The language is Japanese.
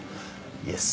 イエス。